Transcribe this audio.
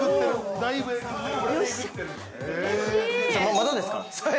◆まだですから。